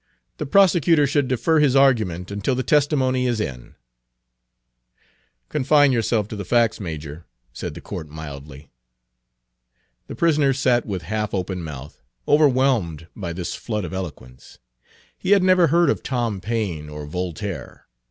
The prosecutor should defer his argument until the testimony is in." "Confine yourself to the facts, Major," said the court mildly. The prisoner sat with half open mouth, overwhelmed by this flood of eloquence. He had never heard of Tom Paine or Voltaire.